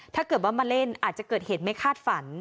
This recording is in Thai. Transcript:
ถ้าเกิดว่ามาเล่นอาจจะเกิดเหตุไม่คาดฝัน